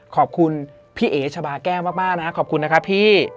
ขอบคุณพี่เอ๋ชะบาแก้วมากนะครับขอบคุณนะครับพี่